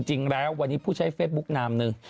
จริงแล้ววันนี้ผู้ใช้เฟซบุ๊กนามหนึ่ง